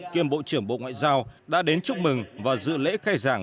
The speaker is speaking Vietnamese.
kiêm bộ trưởng bộ ngoại giao đã đến chúc mừng và dự lễ khai giảng